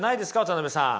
渡辺さん。